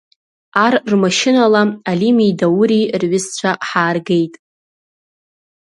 Ар рмашьынала Алими Даури рҩызцәа ҳааргеит.